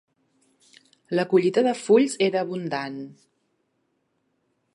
La collita de fulls era abundant